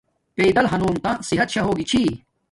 پیدل ہانوم تا صحت شاہ ہوگی چھی